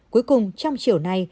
cuối cùng trong chiều nay